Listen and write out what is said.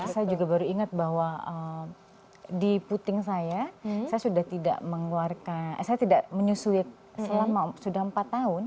saya juga baru ingat bahwa di puting saya saya sudah tidak mengeluarkan saya tidak menyusui selama sudah empat tahun